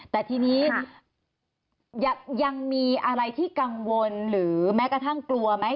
แต่ทีนี้ยังมีอะไรที่กังวลหรือแม้กระทั่งกลัวไหม